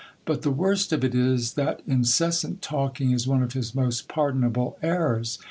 But the worst of it is, that incessant talking is one of his most pardonable errors.